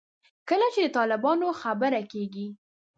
کله چې د طالبانو خبره کېږي.